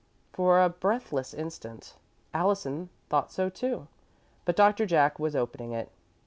For a breathless instant Allison thought so, too, but Doctor Jack was opening it.